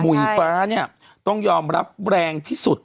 ฟ้าเนี่ยต้องยอมรับแรงที่สุด